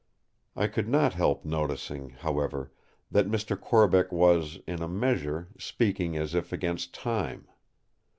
I could not help noticing, however, that Mr. Corbeck was, in a measure, speaking as if against time.